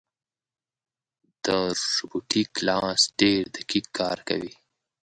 دا روبوټیک لاس ډېر دقیق کار کوي.